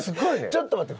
ちょっと待って。